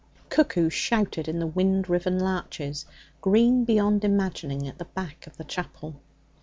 Cuckoos shouted in the wind riven larches, green beyond imagining, at the back of the chapel.